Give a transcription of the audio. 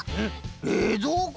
れいぞうこ！